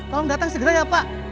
tolong datang segera ya pak